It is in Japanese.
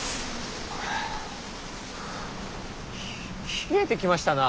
冷えてきましたな。